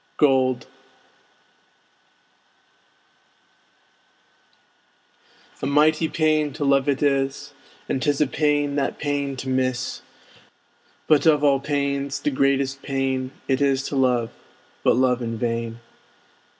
GOLD A mighty pain to love it is, And 'tis a pain that pain to miss; But, of all pains, the greatest pain It is to love, but love in vain.